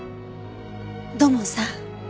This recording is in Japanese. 土門さん。